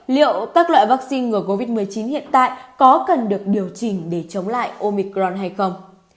liệu các loại vaccine ngừa covid một mươi chín hiện tại có cần được điều chỉnh để chống lại omicron hay không